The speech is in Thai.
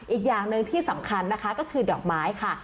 อีกอย่างหนึ่งที่สำคัญนะคะก็คือดอกไม้ค่ะ